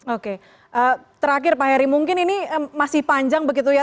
oke terakhir pak heri mungkin ini masih panjang begitu ya